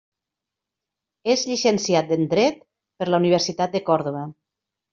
És llicenciat en Dret per la Universitat de Còrdova.